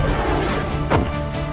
memang hayat prajurit banyak